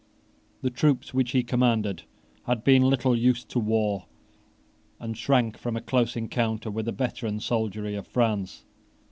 The troops which he commanded had been little used to war, and shrank from a close encounter with the veteran soldiery of France.